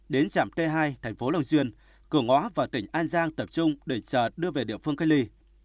đến trạm t hai thành phố long duyên cửa ngõ vào tỉnh an giang tập trung để trở đưa về địa phương cây ly